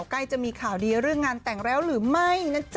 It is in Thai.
ใกล้จะมีข่าวดีเรื่องงานแต่งแล้วหรือไม่นะจ๊ะ